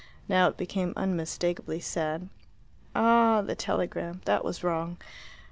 Now it became unmistakably sad. "Ah, the telegram! That was wrong.